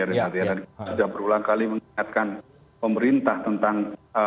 kita sudah berulang kali mengingatkan pemerintah tentang